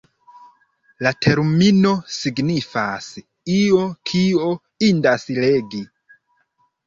La termino signifas “io, kio indas legi”.